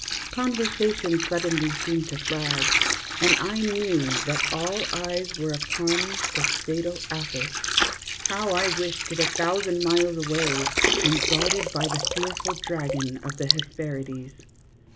Conversation suddenly seemed to flag, and I 72 THE JUDGMENT OF PARIS REVERSED. knew that all eyes were upon the fatal apple. How I wished it a thousand miles away, and guarded by the fearful dragon of the Hesperides